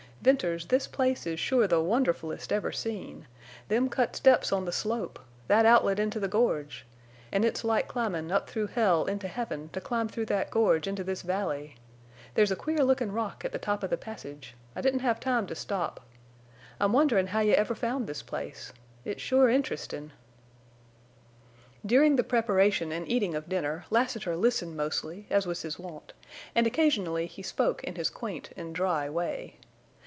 Venters, this place is sure the wonderfullest ever seen. Them cut steps on the slope! That outlet into the gorge! An' it's like climbin' up through hell into heaven to climb through that gorge into this valley! There's a queer lookin' rock at the top of the passage. I didn't have time to stop. I'm wonderin' how you ever found this place. It's sure interestin'." During the preparation and eating of dinner Lassiter listened mostly, as was his wont, and occasionally he spoke in his quaint and dry way.